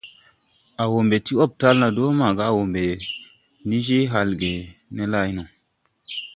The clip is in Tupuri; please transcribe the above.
A wɔɔ ɓɛ ti lɔpital na dɔga a wɔ ɓɛ ni je halge ne lay no.